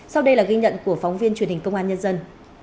sau đây là ghi nhận của phóng viên truyền hình công an nhân dân